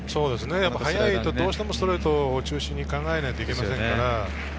速いとどうしてもストレートを中心に考えないといけませんから。